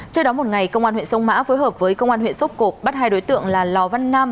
trước đó một ngày công an huyện sông mã phối hợp với công an huyện sốp cộp bắt hai đối tượng là lò văn nam